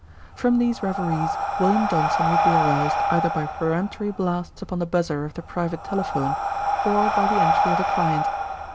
From these reveries William Johnson would be aroused either by peremptory blasts upon the buzzer of the private telephone, or by the entry of a client.